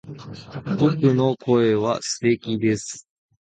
僕の声は素敵です